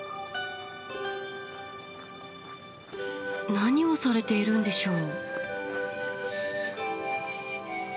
何をされているんでしょう？